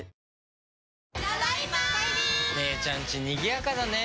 姉ちゃんちにぎやかだね。